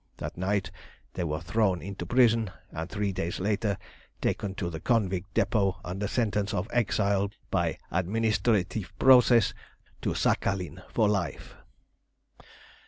That night they were thrown into prison, and three days later taken to the convict depot under sentence of exile by administrative process to Sakhalin for life.